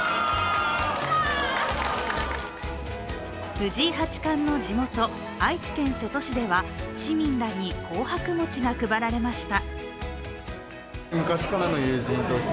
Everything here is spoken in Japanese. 藤井八冠の地元・愛知県瀬戸市では市民らに紅白餅が配られました。